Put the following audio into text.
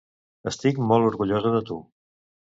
Estic molt orgullosa de tu.